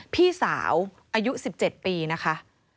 พี่สาวอายุ๑๗ปีนะคะ